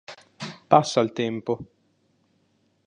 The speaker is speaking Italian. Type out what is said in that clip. Passa il tempo.